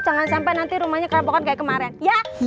jangan sampai nanti rumahnya kerempokan kayak kemarin ya